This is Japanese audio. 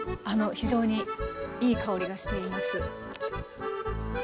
非常にいい香りがしています。